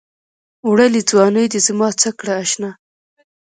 وړلې ځــواني دې زمـا څه کړه اشـنا